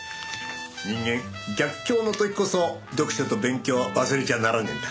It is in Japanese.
人間逆境の時こそ読書と勉強を忘れちゃならねえんだ。